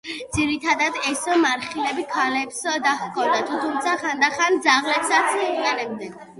ძირითადად ეს მარხილები ქალებს დაჰქონდათ, თუმცა ხანდახან ძაღლებსაც იყენებდნენ.